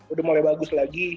udah mulai bagus lagi